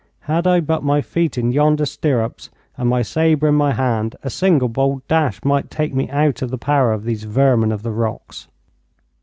Had I but my feet in yonder stirrups and my sabre in my hand, a single bold dash might take me out of the power of these vermin of the rocks.